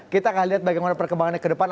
kita akan lihat bagaimana perkembangannya ke depan